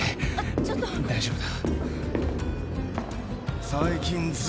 大丈夫だ。